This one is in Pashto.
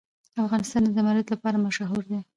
افغانستان د زمرد لپاره مشهور دی.